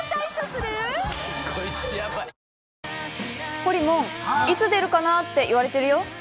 ほりもん、いつ出るかなって言われているよ。